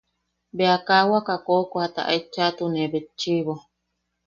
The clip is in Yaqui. Bea kaa waka koʼokoata aet chaʼatune betchiʼibo.